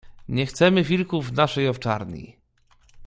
"Nie chcemy wilków w naszej owczarni."